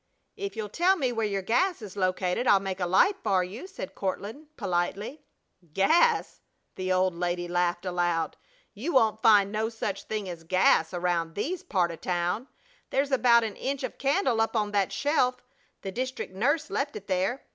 "If you'll tell me where your gas is located I'll make a light for you," said Courtland, politely. "Gas!" The old lady laughed aloud. "You won't find no such thing as gas around this part o' town. There's about an inch of candle up on that shelf. The distric' nurse left it there.